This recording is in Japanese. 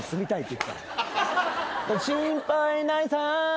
「心配ないさ」